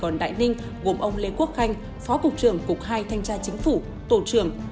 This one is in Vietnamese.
công ty sài gòn đại ninh gồm ông lê quốc khanh phó cục trưởng cục hai thanh tra chính phủ tổ trưởng